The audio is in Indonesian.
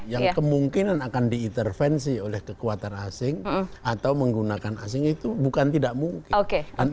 yang kemungkinan akan diintervensi oleh kekuatan asing atau menggunakan asing itu bukan tidak mungkin